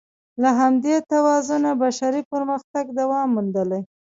له همدې توازنه بشري پرمختګ دوام موندلی.